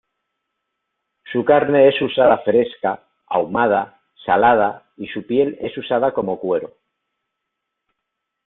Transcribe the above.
Su carne es usada fresca, ahumada, salada y su piel es usada como cuero.